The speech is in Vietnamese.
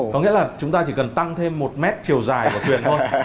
có nghĩa là chúng ta chỉ cần tăng thêm một mét chiều dài của thuyền thôi